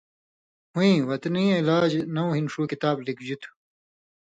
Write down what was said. ہُویں ”وطنی علاجہ“ نؤں ہِن ݜُو کتاب لِکژی تُھو۔